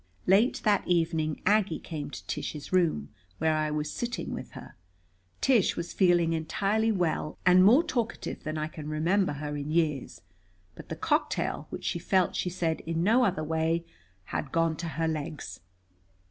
Late that evening Aggie came to Tish's room, where I was sitting with her. Tish was feeling entirely well, and more talkative than I can remember her in years. But the cocktail, which she felt, she said, in no other way, had gone to her legs.